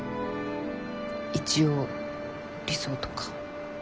一応理想とか」。